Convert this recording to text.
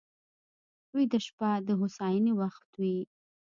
ویده شپه د هوساینې وخت وي